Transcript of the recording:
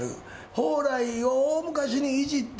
蓬莱を、大昔にいじって、